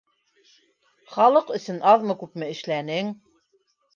Халыҡ өсөн аҙмы-күпме эшләнең.